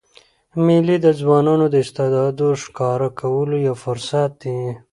مېلې د ځوانانو د استعدادو ښکاره کولو یو فرصت يي.